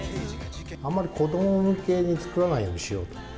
あんまり子ども向けに作らないようにしようと。